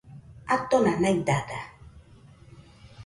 Atona naidada